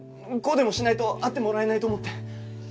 こうでもしないと会ってもらえないと思って。